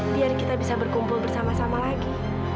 biar kita bisa berkumpul bersama sama lagi